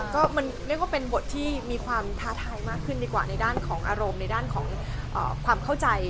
ก็มันเรียกว่าเป็นบทที่มีความท้าทายมากขึ้นดีกว่าในด้านของอารมณ์ในด้านของความเข้าใจ